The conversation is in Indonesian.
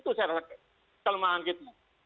itu saya rasa kelemahan kita